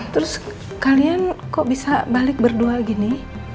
terus kalian kok bisa balik berdua gini